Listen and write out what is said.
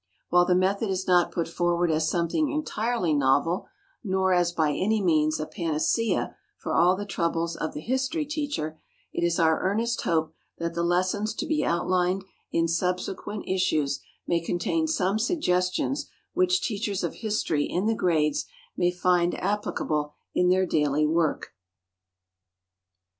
While the method is not put forward as something entirely novel, nor as by any means a panacea for all the troubles of the history teacher, it is our earnest hope that the lessons to be outlined in subsequent issues may contain some suggestions which teachers of history in the grades may find applicable in their daily work.